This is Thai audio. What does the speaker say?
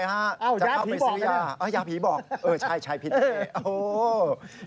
ยาผีบอกแล้วนึงอย่าผีบอกใช่ผิดเอง